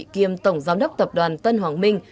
kiêm tổng giám đốc tập đoàn tân hoàng minh